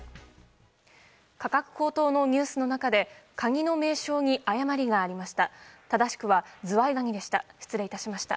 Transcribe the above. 価格高騰のニュースの中でカニの名称に誤りがありました。